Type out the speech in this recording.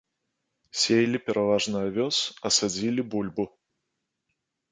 Сеялі пераважна авёс, а садзілі бульбу.